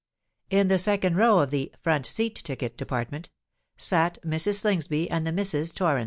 In the second row of the "front seat ticket" department, sate Mrs. Slingsby and the Misses Torrens.